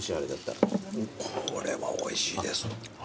これはおいしいです。